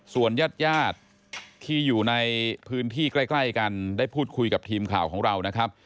ส่วนญาติญาติที่อยู่ในพื้นที่ใกล้กันได้พูดคุยกับทีมข่าวของเรานะครับ